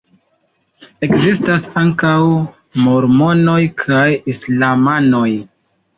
Ekzistas ankaŭ mormonoj kaj islamanoj.